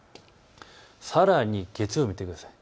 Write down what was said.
さらに月曜日を見てください。